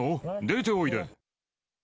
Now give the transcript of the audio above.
出ておいで。